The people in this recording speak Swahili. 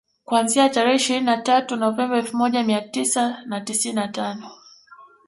Kuanzia tarehe ishirini na tatu Novemba elfu moja Mia tisa na tisini na tano